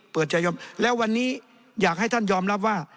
ชายมแล้ววันนี้อยากให้ท่านยอมรับว่า